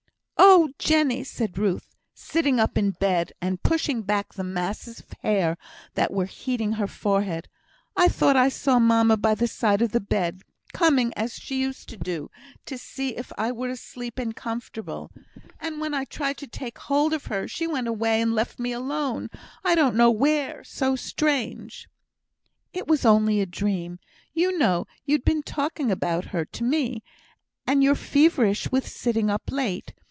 "Oh, Jenny!" said Ruth, sitting up in bed, and pushing back the masses of hair that were heating her forehead, "I thought I saw mamma by the side of the bed, coming, as she used to do, to see if I were asleep and comfortable; and when I tried to take hold of her, she went away and left me alone I don't know where; so strange!" "It was only a dream; you know you'd been talking about her to me, and you're feverish with sitting up late.